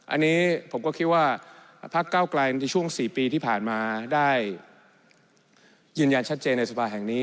อันนี้ผมก็คิดว่าพักเก้าไกลในช่วง๔ปีที่ผ่านมาได้ยืนยันชัดเจนในสภาแห่งนี้